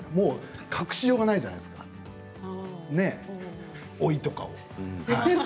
隠しようがないじゃないですか老いとかを。